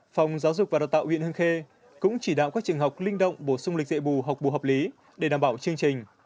phòng giáo dục và đào tạo huyện hương khê cũng chỉ đạo các trường học linh động bổ sung lịch dạy bù học bù hợp lý để đảm bảo chương trình